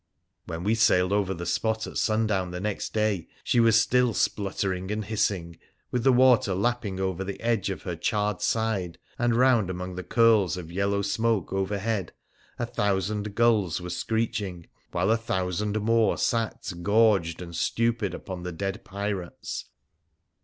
When we sailed over the spot at sundown the next day, she was still spluttering and hissing, with the water lapping over the edge of her charred side, and round among the curls of yellow smoke overhead a thousand gulls were screeching, while a thousand more sat gorged and stupid upon the dead pirates.